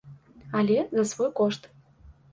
Але за свой кошт.